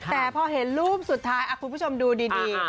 แต่พอเห็นรูปสุดท้ายคุณผู้ชมดูดี